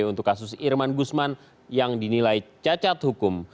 untuk kasus irman gusman yang dinilai cacat hukum